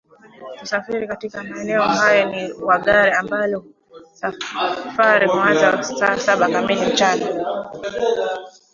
Usafiri katika maeneo hayo ni wa gari ambalo safari huanza saa saba kamili mchana